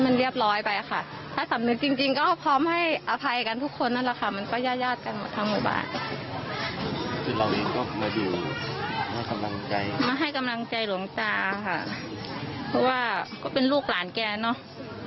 เพราะว่าก็เป็นลูกหลานแกเนาะ